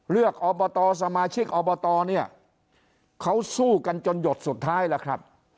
อบตสมาชิกอบตเนี่ยเขาสู้กันจนหยดสุดท้ายแล้วครับ